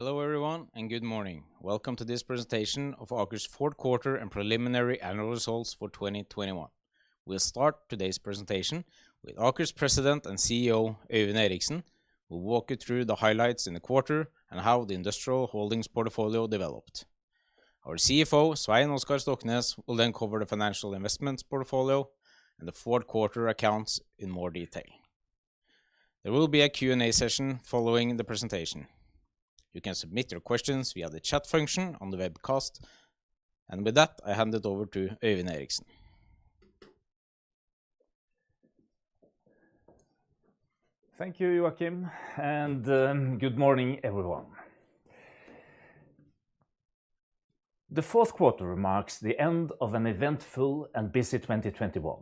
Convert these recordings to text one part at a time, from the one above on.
Hello everyone, and good morning. Welcome to this presentation of Aker's fourth quarter and preliminary annual results for 2021. We'll start today's presentation with Aker's President and CEO, Øyvind Eriksen, who'll walk you through the highlights in the quarter and how the industrial holdings portfolio developed. Our CFO, Svein Oskar Stoknes, will then cover the financial investments portfolio and the fourth quarter accounts in more detail. There will be a Q&A session following the presentation. You can submit your questions via the chat function on the webcast. With that, I hand it over to Øyvind Eriksen. Thank you, Joachim, and good morning, everyone. The fourth quarter marks the end of an eventful and busy 2021.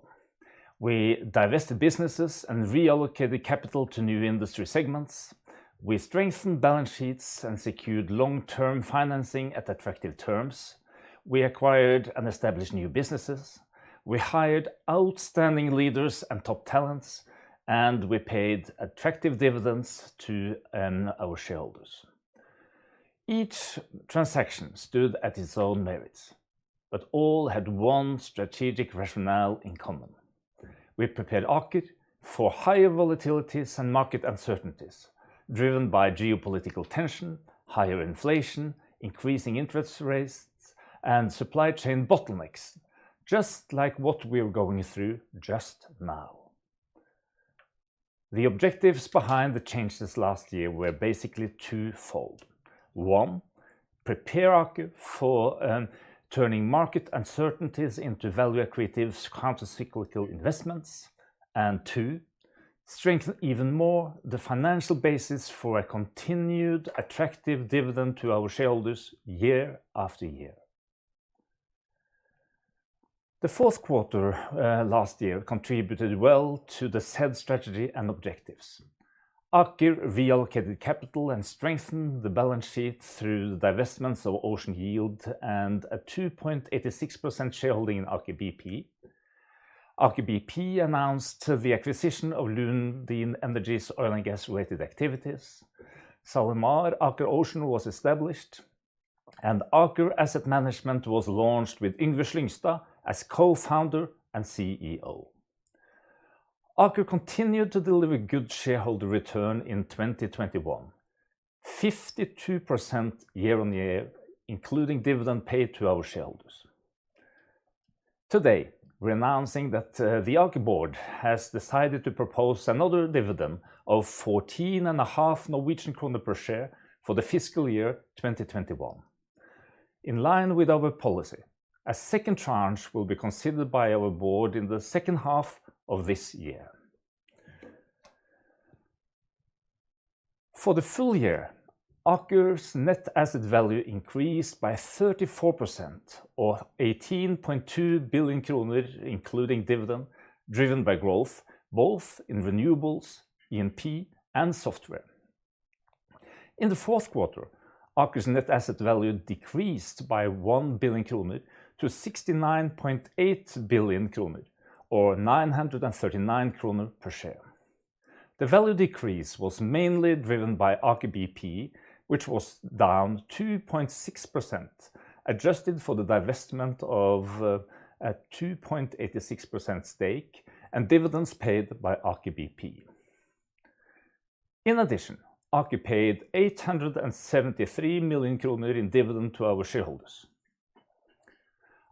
We divested businesses and reallocated capital to new industry segments. We strengthened balance sheets and secured long-term financing at attractive terms. We acquired and established new businesses. We hired outstanding leaders and top talents, and we paid attractive dividends to our shareholders. Each transaction stood at its own merits, but all had one strategic rationale in common. We prepared Aker for higher volatilities and market uncertainties driven by geopolitical tension, higher inflation, increasing interest rates, and supply chain bottlenecks, just like what we're going through just now. The objectives behind the changes last year were basically twofold. One, prepare Aker for turning market uncertainties into value-accretive counter-cyclical investments. Two, strengthen even more the financial basis for a continued attractive dividend to our shareholders year after year. The fourth quarter last year contributed well to the said strategy and objectives. Aker reallocated capital and strengthened the balance sheet through the divestments of Ocean Yield and a 2.86% shareholding in Aker BP. Aker BP announced the acquisition of Lundin Energy's oil and gas-related activities. SalMar Aker Ocean was established and Aker Asset Management was launched with Yngve Slyngstad as co-founder and CEO. Aker continued to deliver good shareholder return in 2021, 52% year-on-year, including dividend paid to our shareholders. Today, we're announcing that the Aker board has decided to propose another dividend of 14.5 Norwegian kroner per share for the fiscal year 2021. In line with our policy, a second tranche will be considered by our board in the second half of this year. For the full year, Aker's net asset value increased by 34% or 18.2 billion kroner including dividend driven by growth, both in renewables, E&P, and software. In the fourth quarter, Aker's net asset value decreased by 1 billion kroner to 69.8 billion kroner, or 939 kroner per share. The value decrease was mainly driven by Aker BP, which was down 2.6%, adjusted for the divestment of a 2.86% stake and dividends paid by Aker BP. In addition, Aker paid 873 million kroner in dividend to our shareholders.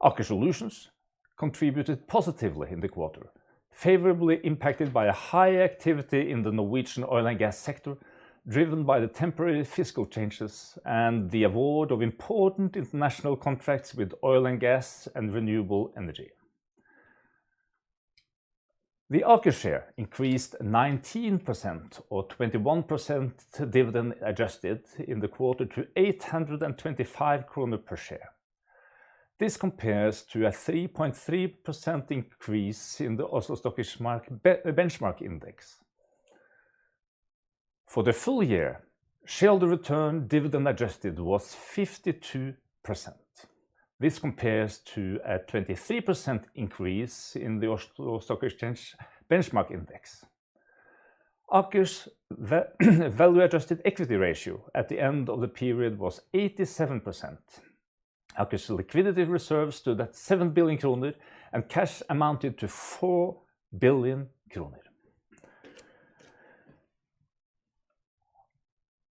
Aker Solutions contributed positively in the quarter, favorably impacted by a high activity in the Norwegian oil and gas sector, driven by the temporary fiscal changes and the award of important international contracts with oil and gas and renewable energy. The Aker share increased 19% or 21% dividend adjusted in the quarter to 825 kroner per share. This compares to a 3.3% increase in the Oslo Stock Exchange benchmark index. For the full year, shareholder return dividend adjusted was 52%. This compares to a 23% increase in the Oslo Stock Exchange benchmark index. Aker's value-adjusted equity ratio at the end of the period was 87%. Aker's liquidity reserve stood at 7 billion kroner and cash amounted to 4 billion kroner.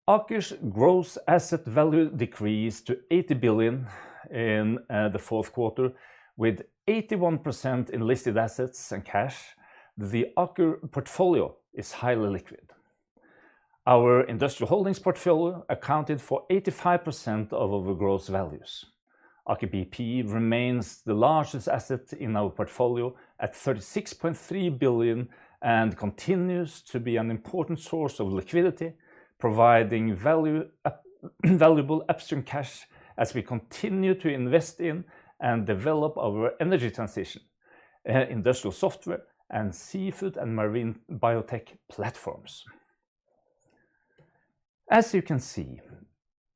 Aker's gross asset value decreased to 80 billion in the fourth quarter with 81% in listed assets and cash. The Aker portfolio is highly liquid. Our industrial holdings portfolio accounted for 85% of our gross values. Aker BP remains the largest asset in our portfolio at 36.3 billion and continues to be an important source of liquidity, providing value, valuable upstream cash as we continue to invest in and develop our energy transition, industrial software and seafood and marine biotech platforms. As you can see,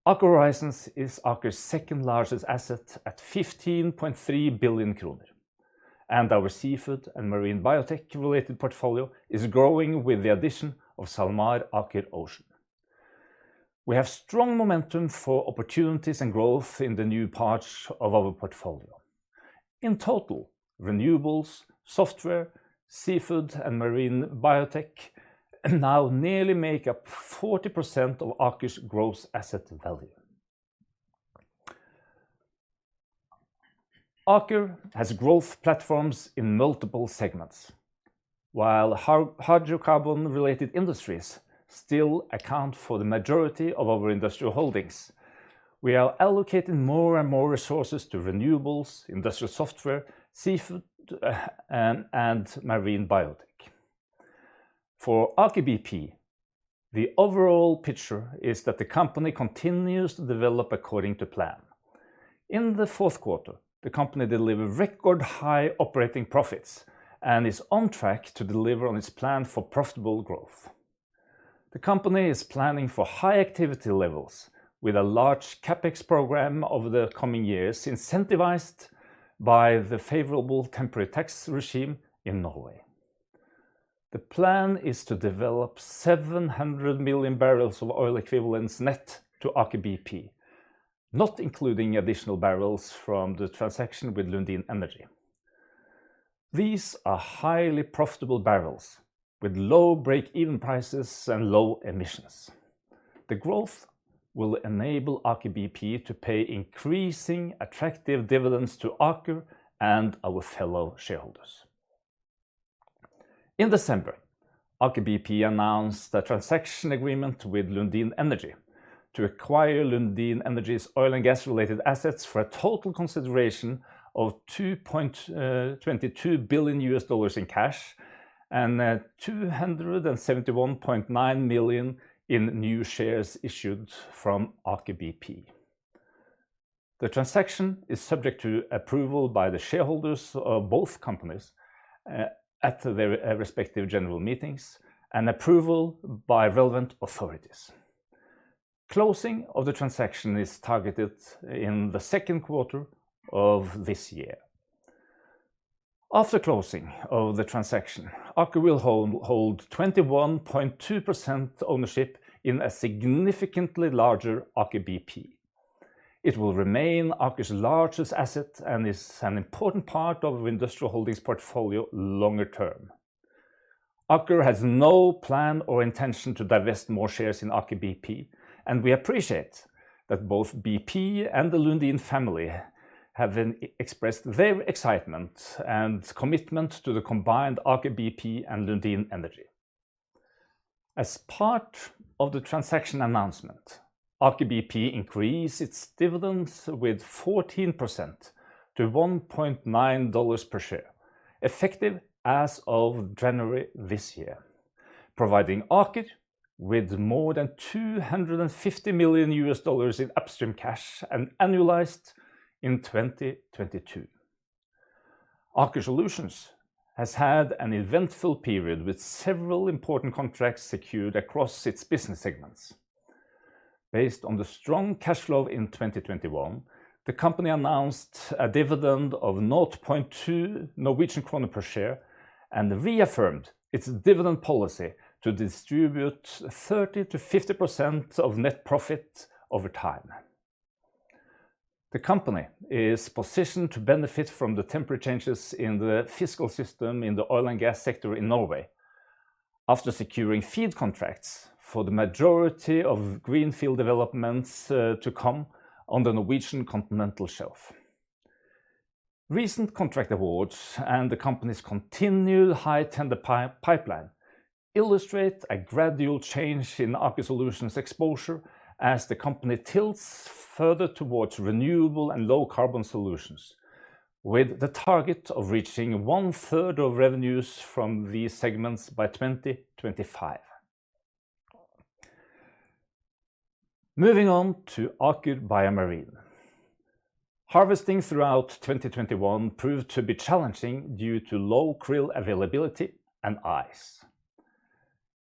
Aker Horizons is Aker's second-largest asset at 15.3 billion kroner. Our seafood and marine biotech related portfolio is growing with the addition of SalMar Aker Ocean. We have strong momentum for opportunities and growth in the new parts of our portfolio. In total, renewables, software, seafood and marine biotech now nearly make up 40% of Aker's gross asset value. Aker has growth platforms in multiple segments. While hydrocarbon related industries still account for the majority of our industrial holdings, we are allocating more and more resources to renewables, industrial software, seafood, and marine biotech. For Aker BP, the overall picture is that the company continues to develop according to plan. In the fourth quarter, the company delivered record high operating profits and is on track to deliver on its plan for profitable growth. The company is planning for high activity levels with a large CapEx program over the coming years, incentivized by the favorable temporary tax regime in Norway. The plan is to develop 700 million barrels of oil equivalents net to Aker BP, not including additional barrels from the transaction with Lundin Energy. These are highly profitable barrels with low break-even prices and low emissions. The growth will enable Aker BP to pay increasing attractive dividends to Aker and our fellow shareholders. In December, Aker BP announced a transaction agreement with Lundin Energy to acquire Lundin Energy's oil and gas related assets for a total consideration of $2.22 billion in cash and 271.9 million in new shares issued from Aker BP. The transaction is subject to approval by the shareholders of both companies at their respective general meetings and approval by relevant authorities. Closing of the transaction is targeted in the second quarter of this year. After closing of the transaction, Aker will hold 21.2% ownership in a significantly larger Aker BP. It will remain Aker's largest asset and is an important part of Industrial Holdings portfolio longer term. Aker has no plan or intention to divest more shares in Aker BP, and we appreciate that both BP and the Lundin family have expressed their excitement and commitment to the combined Aker BP and Lundin Energy. As part of the transaction announcement, Aker BP increased its dividends by 14% to $1.9 per share, effective as of January this year, providing Aker with more than $250 million in upstream cash annualized in 2022. Aker Solutions has had an eventful period with several important contracts secured across its business segments. Based on the strong cash flow in 2021, the company announced a dividend of 0.2 Norwegian kroner per share and reaffirmed its dividend policy to distribute 30%-50% of net profit over time. The company is positioned to benefit from the temporary changes in the fiscal system in the oil and gas sector in Norway after securing feed contracts for the majority of greenfield developments to come on the Norwegian continental shelf. Recent contract awards and the company's continued high tender pipeline illustrate a gradual change in Aker Solutions exposure as the company tilts further towards renewable and low carbon solutions, with the target of reaching one third of revenues from these segments by 2025. Moving on to Aker BioMarine. Harvesting throughout 2021 proved to be challenging due to low krill availability and ice.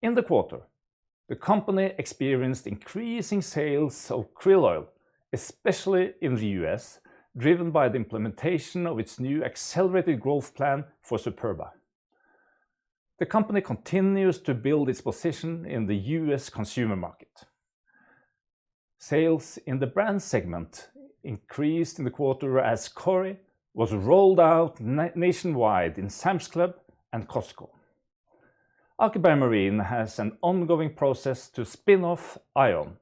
In the quarter, the company experienced increasing sales of krill oil, especially in the U.S., driven by the implementation of its new accelerated growth plan for Superba. The company continues to build its position in the U.S. consumer market. Sales in the brand segment increased in the quarter as Superba was rolled out nationwide in Sam's Club and Costco. Aker BioMarine has an ongoing process to spin off AION,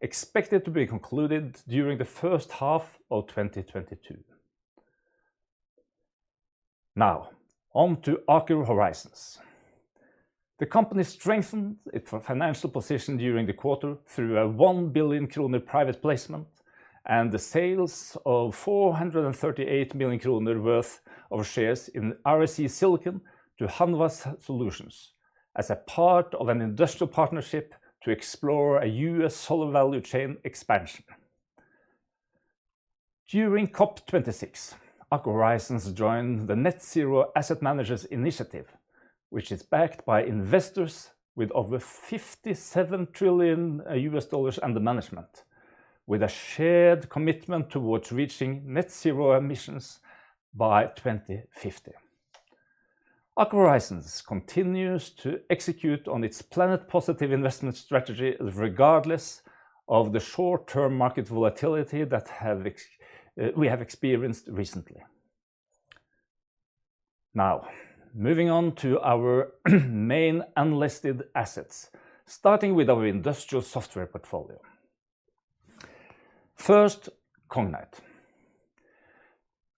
expected to be concluded during the first half of 2022. Now on to Aker Horizons. The company strengthened its financial position during the quarter through a 1 billion kroner private placement and the sale of 438 million kroner worth of shares in REC Silicon to Hanwha Solutions as a part of an industrial partnership to explore a U.S. solar value chain expansion. During COP26, Aker Horizons joined the Net Zero Asset Managers Initiative, which is backed by investors with over $57 trillion under management. With a shared commitment towards reaching net zero emissions by 2050. Aker Horizons continues to execute on its planet positive investment strategy regardless of the short-term market volatility that we have experienced recently. Now moving on to our main unlisted assets, starting with our industrial software portfolio. First, Cognite.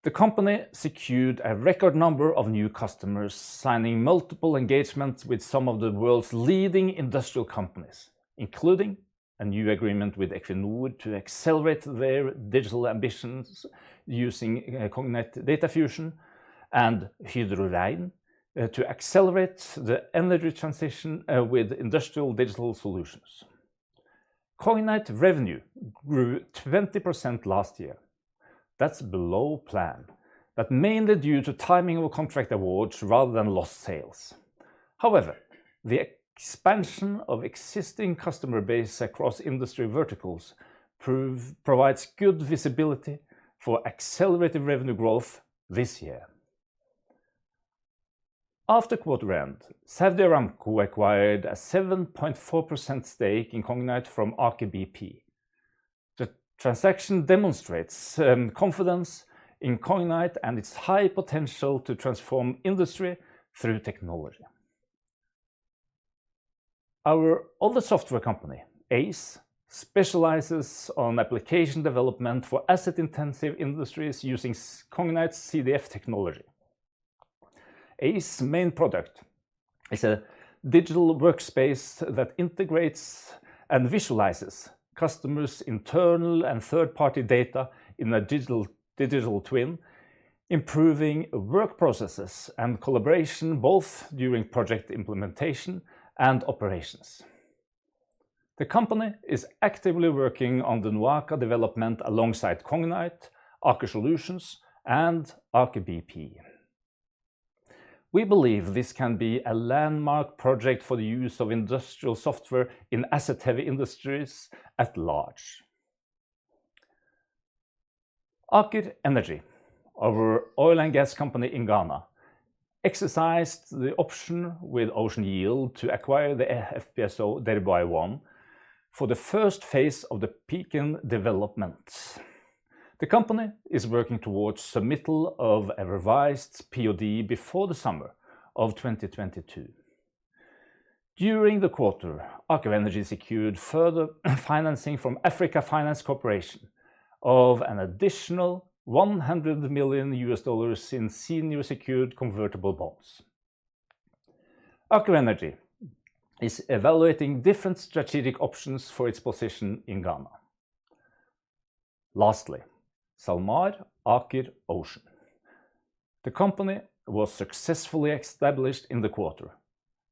The company secured a record number of new customers signing multiple engagements with some of the world's leading industrial companies, including a new agreement with Equinor to accelerate their digital ambitions using Cognite Data Fusion and Hydro Rein to accelerate the energy transition with industrial digital solutions. Cognite revenue grew 20% last year. That's below plan, but mainly due to timing of contract awards rather than lost sales. However, the expansion of existing customer base across industry verticals provides good visibility for accelerated revenue growth this year. After quarter end, Saudi Aramco acquired a 7.4% stake in Cognite from Aker BP. The transaction demonstrates confidence in Cognite and its high potential to transform industry through technology. Our other software company, Aize, specializes on application development for asset intensive industries using Cognite's CDF technology. Aize main product is a digital workspace that integrates and visualizes customers' internal and third-party data in a digital twin, improving work processes and collaboration both during project implementation and operations. The company is actively working on the NOAKA development alongside Cognite, Aker Solutions, and Aker BP. We believe this can be a landmark project for the use of industrial software in asset-heavy industries at large. Aker Energy, our oil and gas company in Ghana, exercised the option with Ocean Yield to acquire the FPSO Dhirubhai-1 for the first phase of the Pecan developments. The company is working towards submittal of a revised POD before the summer of 2022. During the quarter, Aker Energy secured further financing from Africa Finance Corporation of an additional $100 million in senior secured convertible bonds. Aker Energy is evaluating different strategic options for its position in Ghana. Lastly, SalMar Aker Ocean. The company was successfully established in the quarter,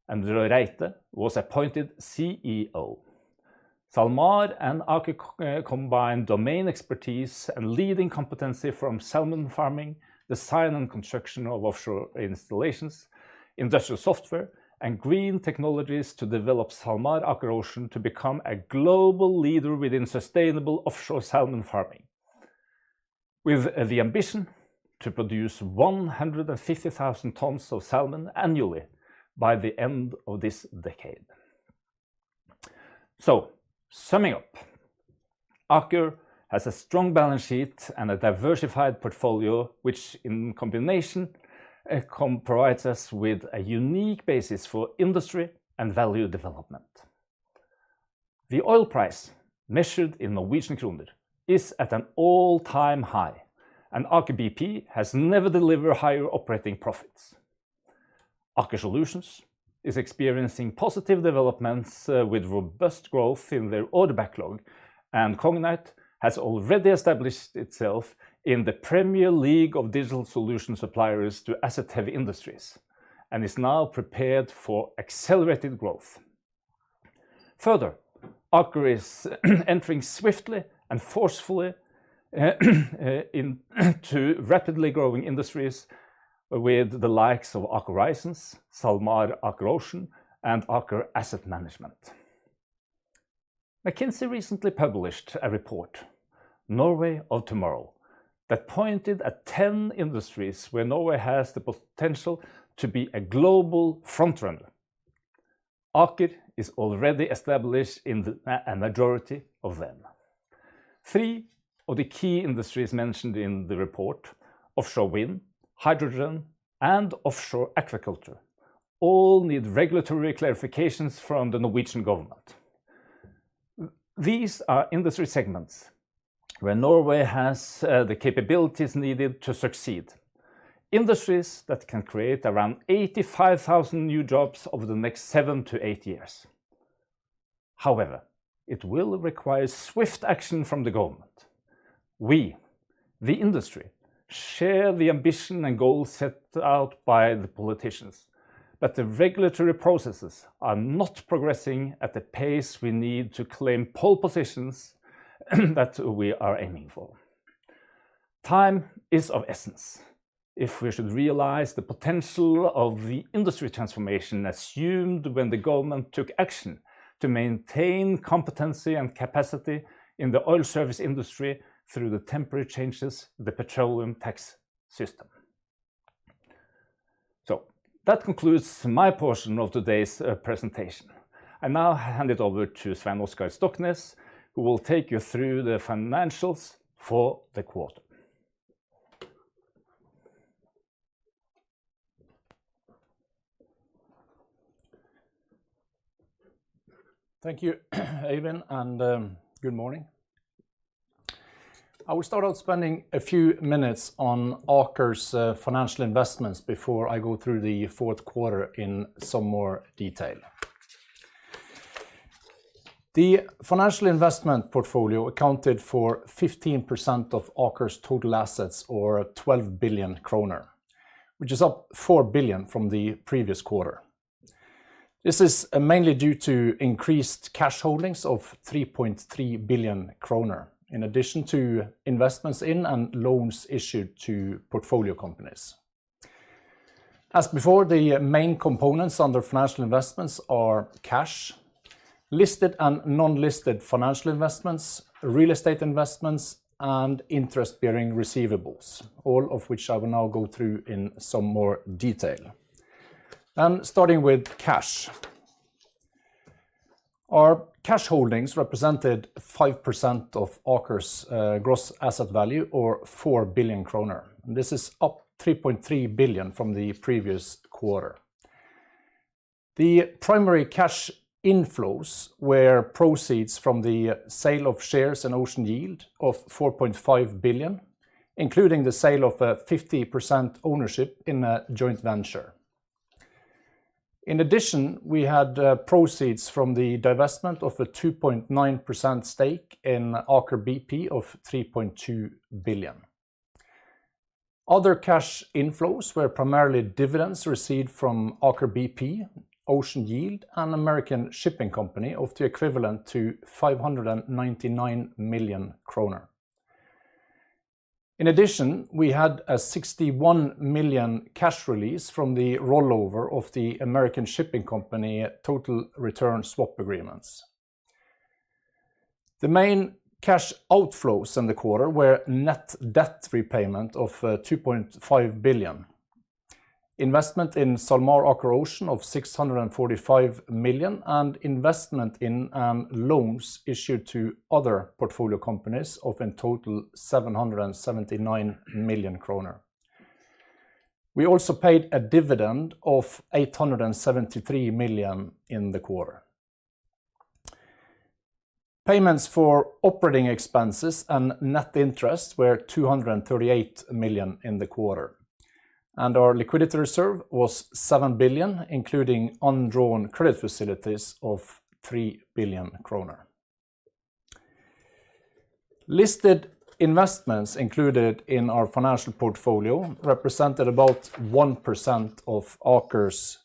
and Roy Reite was appointed CEO. SalMar and Aker combined domain expertise and leading competency from salmon farming, design and construction of offshore installations, industrial software, and green technologies to develop SalMar Aker Ocean to become a global leader within sustainable offshore salmon farming, with the ambition to produce 150,000 tons of salmon annually by the end of this decade. Summing up, Aker has a strong balance sheet and a diversified portfolio which in combination provides us with a unique basis for industry and value development. The oil price measured in Norwegian kroner is at an all-time high, and Aker BP has never delivered higher operating profits. Aker Solutions is experiencing positive developments with robust growth in their order backlog. Cognite has already established itself in the premier league of digital solution suppliers to asset-heavy industries and is now prepared for accelerated growth. Further, Aker is entering swiftly and forcefully into rapidly growing industries with the likes of Aker Horizons, SalMar Aker Ocean, and Aker Asset Management. McKinsey recently published a report, Norway Tomorrow, that pointed at 10 industries where Norway has the potential to be a global frontrunner. Aker is already established in a majority of them. Three of the key industries mentioned in the report, offshore wind, hydrogen, and offshore aquaculture, all need regulatory clarifications from the Norwegian government. These are industry segments where Norway has the capabilities needed to succeed, industries that can create around 85,000 new jobs over the next 7-8 years. However, it will require swift action from the government. We, the industry, share the ambition and goals set out by the politicians, but the regulatory processes are not progressing at the pace we need to claim pole positions that we are aiming for. Time is of the essence if we should realize the potential of the industry transformation assumed when the government took action to maintain competency and capacity in the oil service industry through the temporary changes to the petroleum tax system. That concludes my portion of today's presentation. I now hand it over to Svein Oskar Stoknes, who will take you through the financials for the quarter. Thank you Øyvind, and good morning. I will start out spending a few minutes on Aker's financial investments before I go through the fourth quarter in some more detail. The financial investment portfolio accounted for 15% of Aker's total assets or 12 billion kroner, which is up 4 billion from the previous quarter. This is mainly due to increased cash holdings of 3.3 billion kroner, in addition to investments in and loans issued to portfolio companies. As before, the main components under financial investments are cash, listed and non-listed financial investments, real estate investments, and interest-bearing receivables, all of which I will now go through in some more detail. Starting with cash. Our cash holdings represented 5% of Aker's gross asset value or 4 billion kroner, and this is up 3.3 billion from the previous quarter. The primary cash inflows were proceeds from the sale of shares in Ocean Yield of 4.5 billion, including the sale of a 50% ownership in a joint venture. In addition, we had proceeds from the divestment of a 2.9% stake in Aker BP of 3.2 billion. Other cash inflows were primarily dividends received from Aker BP, Ocean Yield, and American Shipping Company of the equivalent to 599 million kroner. In addition, we had a 61 million cash release from the rollover of the American Shipping Company total return swap agreements. The main cash outflows in the quarter were net debt repayment of 2.5 billion. Investment in SalMar Aker Ocean of 645 million and investment in and loans issued to other portfolio companies of in total 779 million kroner. We also paid a dividend of 873 million in the quarter. Payments for operating expenses and net interest were 238 million in the quarter, and our liquidity reserve was 7 billion, including undrawn credit facilities of 3 billion kroner. Listed investments included in our financial portfolio represented about 1% of Aker's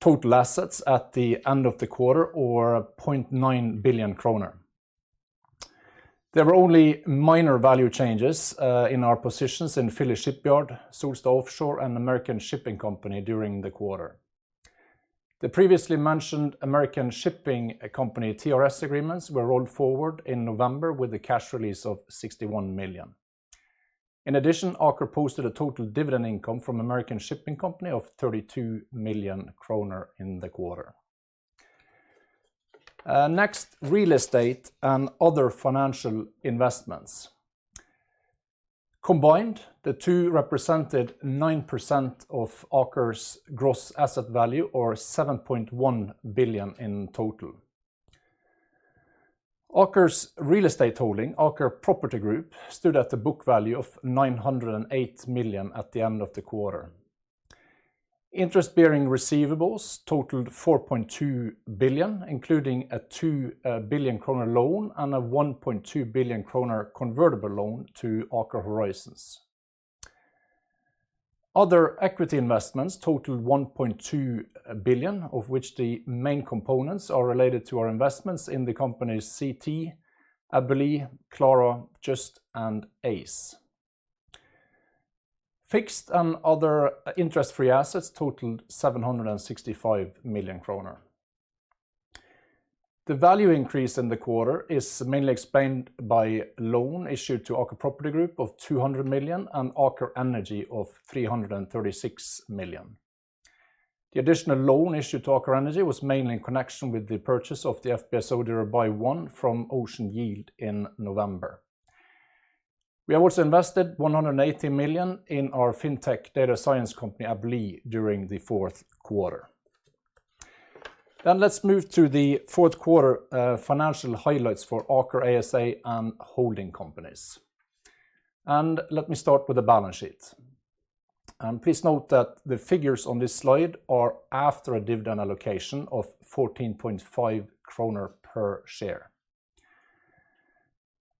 total assets at the end of the quarter or 0.9 billion kroner. There were only minor value changes in our positions in Philly Shipyard, Solstad Offshore, and American Shipping Company during the quarter. The previously mentioned American Shipping Company TRS agreements were rolled forward in November with a cash release of 61 million. In addition, Aker posted a total dividend income from American Shipping Company of 32 million kroner in the quarter. Next, real estate and other financial investments. Combined, the two represented 9% of Aker's gross asset value, or 7.1 billion in total. Aker's real estate holding, Aker Property Group, stood at a book value of 908 million at the end of the quarter. Interest-bearing receivables totaled 4.2 billion, including a 2 billion kroner loan and a 1.2 billion kroner convertible loan to Aker Horizons. Other equity investments totaled 1.2 billion, of which the main components are related to our investments in the companies Seetee, Abelee, Clara, Just, and Aize. Fixed and other interest-free assets totaled 765 million kroner. The value increase in the quarter is mainly explained by loan issued to Aker Property Group of 200 million and Aker Energy of 336 million. The additional loan issued to Aker Energy was mainly in connection with the purchase of the FPSO Dhirubhai-1 from Ocean Yield in November. We have also invested 180 million in our fintech data science company, Abelee, during the fourth quarter. Let's move to the fourth quarter financial highlights for Aker ASA and holding companies. Let me start with the balance sheet. Please note that the figures on this slide are after a dividend allocation of 14.5 kroner per share.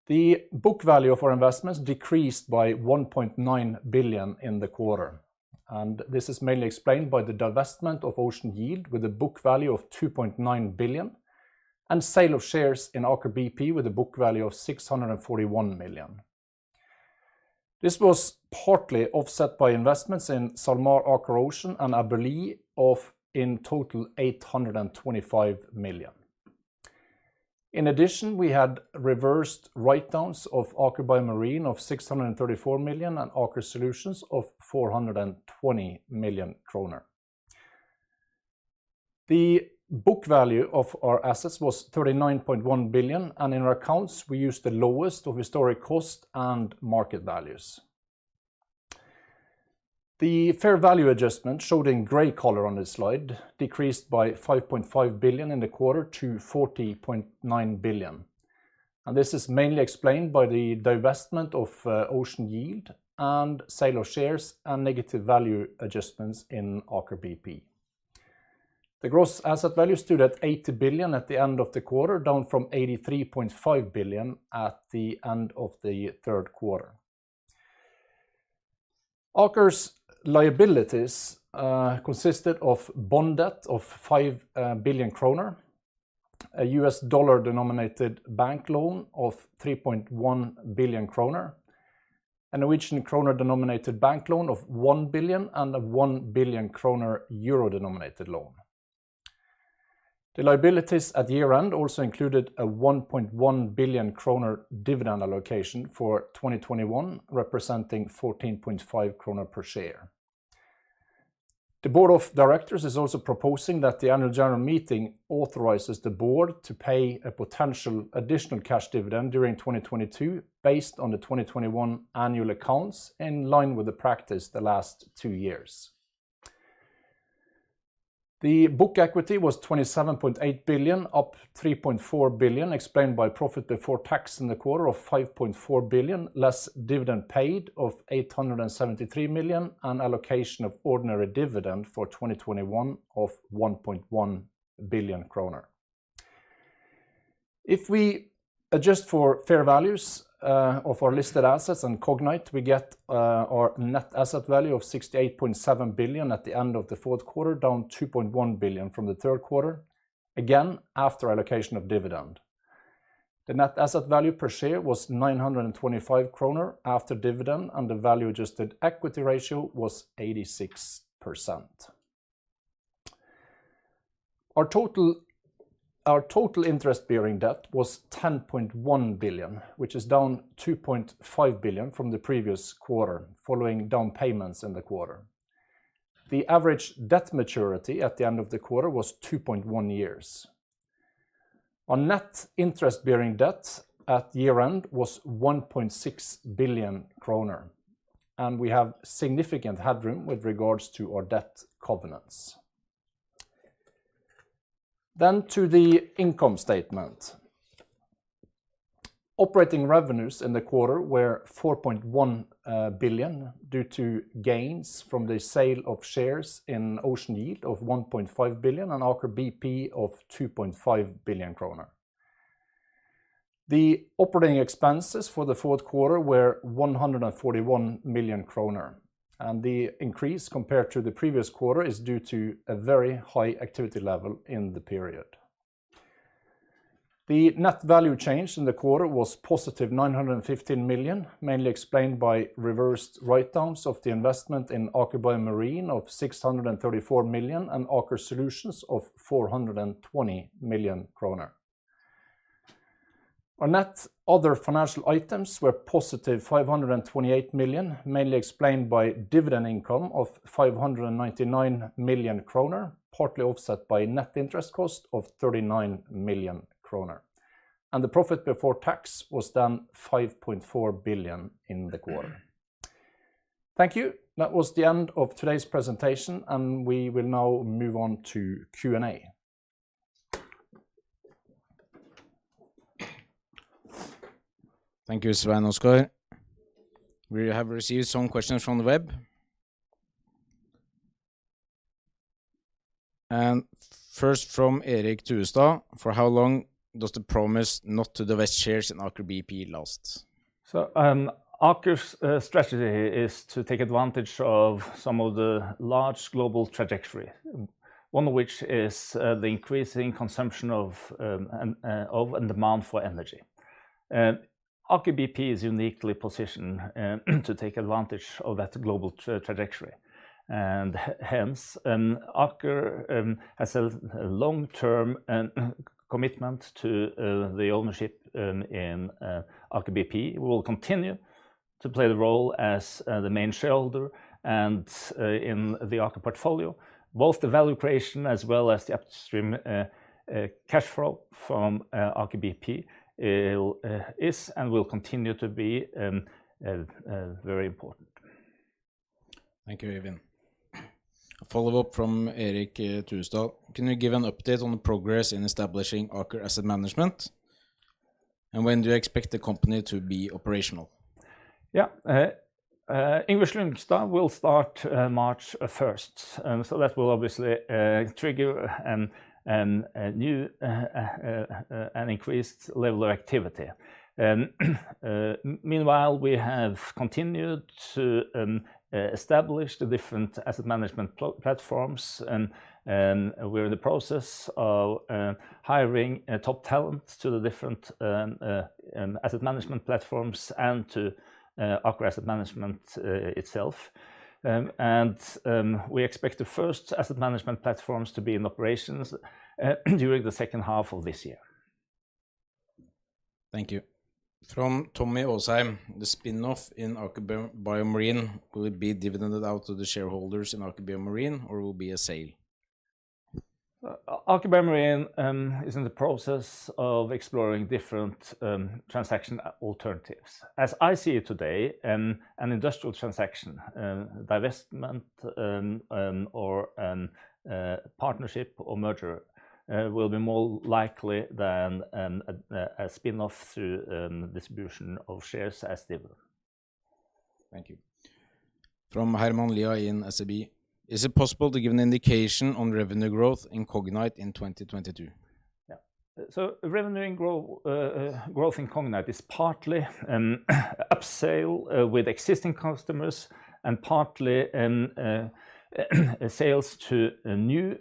The book value of our investments decreased by 1.9 billion in the quarter, and this is mainly explained by the divestment of Ocean Yield with a book value of 2.9 billion. Sale of shares in Aker BP with a book value of 641 million. This was partly offset by investments in SalMar Aker Ocean and Abelee of in total 825 million. In addition, we had reversed write-downs of Aker BioMarine of 634 million and Aker Solutions of 420 million kroner. The book value of our assets was 39.1 billion, and in our accounts, we used the lowest of historic cost and market values. The fair value adjustment, showed in gray color on this slide, decreased by 5.5 billion in the quarter to 40.9 billion. This is mainly explained by the divestment of Ocean Yield and sale of shares and negative value adjustments in Aker BP. The gross asset value stood at 80 billion at the end of the quarter, down from 83.5 billion at the end of the third quarter. Aker's liabilities consisted of bond debt of 5 billion kroner, a US dollar-denominated bank loan of 3.1 billion kroner, a Norwegian krone-denominated bank loan of 1 billion and a 1 billion kroner euro-denominated loan. The liabilities at year-end also included a 1.1 billion kroner dividend allocation for 2021, representing 14.5 kroner per share. The board of directors is also proposing that the annual general meeting authorizes the board to pay a potential additional cash dividend during 2022 based on the 2021 annual accounts, in line with the practice the last two years. The book equity was 27.8 billion, up 3.4 billion, explained by profit before tax in the quarter of 5.4 billion, less dividend paid of 873 million and allocation of ordinary dividend for 2021 of 1.1 billion kroner. If we adjust for fair values of our listed assets and Cognite, we get our net asset value of 68.7 billion at the end of the fourth quarter, down 2.1 billion from the third quarter, again, after allocation of dividend. The net asset value per share was 925 kroner after dividend, and the value-adjusted equity ratio was 86%. Our total interest-bearing debt was 10.1 billion, which is down 2.5 billion from the previous quarter, following down payments in the quarter. The average debt maturity at the end of the quarter was 2.1 years. Our net interest-bearing debt at year-end was 1.6 billion kroner, and we have significant headroom with regards to our debt covenants. To the income statement. Operating revenues in the quarter were 4.1 billion due to gains from the sale of shares in Ocean Yield of 1.5 billion and Aker BP of 2.5 billion kroner. The operating expenses for the fourth quarter were 141 million kroner, and the increase compared to the previous quarter is due to a very high activity level in the period. The net value change in the quarter was positive 915 million, mainly explained by reversed write-downs of the investment in Aker BioMarine of 634 million and Aker Solutions of 420 million kroner. Our net other financial items were positive 528 million, mainly explained by dividend income of 599 million kroner, partly offset by net interest cost of 39 million kroner. The profit before tax was then 5.4 billion in the quarter. Thank you. That was the end of today's presentation, and we will now move on to Q&A. Thank you, Svein Oskar Stoknes. We have received some questions from the web. First from Eric Turstad. For how long does the promise not to divest shares in Aker BP last? Aker's strategy is to take advantage of some of the large global trajectory, one of which is the increasing consumption of and demand for energy. Aker BP is uniquely positioned to take advantage of that global trajectory. Hence, Aker has a long-term commitment to the ownership in Aker BP. We will continue to play the role as the main shareholder and in the Aker portfolio. Both the value creation as well as the upstream cash flow from Aker BP is and will continue to be very important. Thank you, Øyvind. A follow-up from Eric Turstad. Can you give an update on the progress in establishing Aker Asset Management? And when do you expect the company to be operational? Yeah. Yngve Slyngstad will start March first. So that will obviously trigger an increased level of activity. Meanwhile, we have continued to establish the different asset management platforms and we're in the process of hiring top talent to the different asset management platforms and to Aker Asset Management itself. We expect the first asset management platforms to be in operations during the second half of this year. Thank you. From Tommy Osei, the spinoff in Aker BioMarine will be dividended out to the shareholders in Aker BioMarine or will be a sale? Aker BioMarine is in the process of exploring different transaction alternatives. As I see it today, an industrial transaction, divestment, or partnership or merger will be more likely than a spinoff through distribution of shares as dividend. Thank you. From Herman Lia in SEB, is it possible to give an indication on revenue growth in Cognite in 2022? Revenue growth in Cognite is partly upsell with existing customers and partly sales to new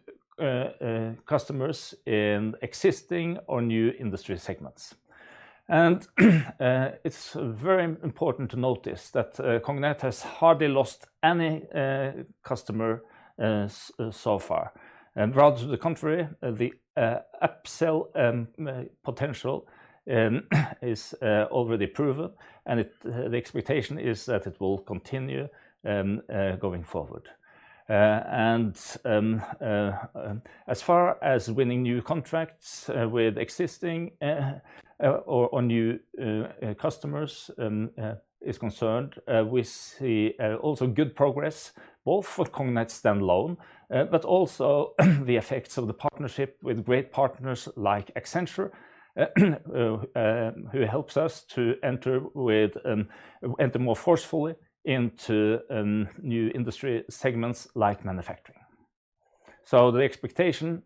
customers in existing or new industry segments. It's very important to notice that Cognite has hardly lost any customer so far. Rather to the contrary, the upsell potential is already proven, and the expectation is that it will continue going forward. As far as winning new contracts with existing or new customers is concerned, we see also good progress both for Cognite standalone, but also the effects of the partnership with great partners like Accenture, who helps us to enter more forcefully into new industry segments like manufacturing. The expectation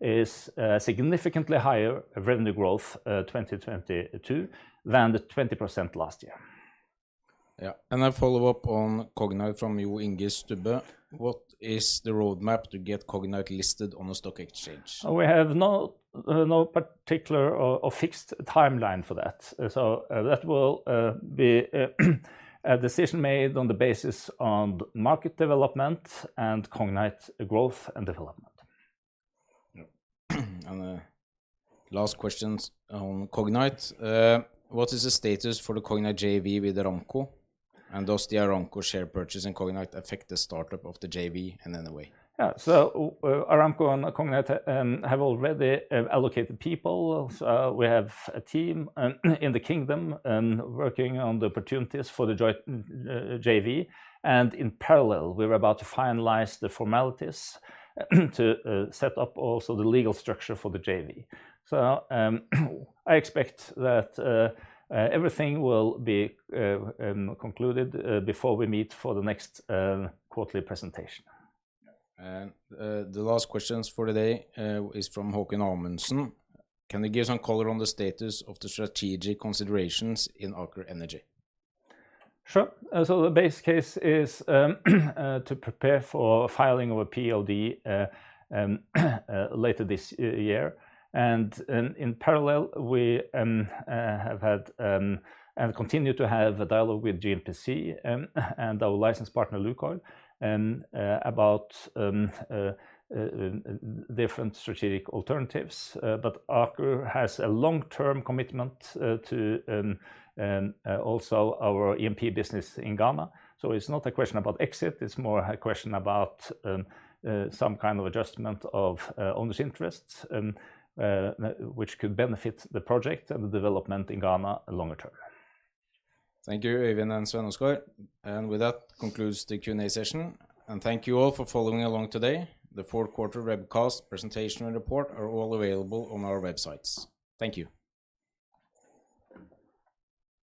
is significantly higher revenue growth 2022 than the 20% last year. Yeah. A follow-up on Cognite from Jo Inge Støbe. What is the roadmap to get Cognite listed on the stock exchange? We have no particular or fixed timeline for that. That will be a decision made on the basis of market development and Cognite growth and development. Yeah. Last questions on Cognite. What is the status for the Cognite JV with Aramco, and does the Aramco share purchase in Cognite affect the startup of the JV in any way? Aramco and Cognite have already allocated people. We have a team in the kingdom working on the opportunities for the joint JV. In parallel, we're about to finalize the formalities to set up also the legal structure for the JV. I expect that everything will be concluded before we meet for the next quarterly presentation. Yeah. The last questions for today is from Haakon Amundsen. Can you give some color on the status of the strategic considerations in Aker Energy? Sure. The base case is to prepare for filing of a POD later this year. In parallel, we have had and continue to have a dialogue with GNPC and our license partner, Lukoil, about different strategic alternatives. Aker has a long-term commitment to also our E&P business in Ghana. It's not a question about exit. It's more a question about some kind of adjustment of owner's interests which could benefit the project and the development in Ghana longer term. Thank you, Øyvind Eriksen and Svein Oskar Stoknes. With that concludes the Q&A session. Thank you all for following along today. The fourth quarter webcast presentation and report are all available on our websites. Thank you.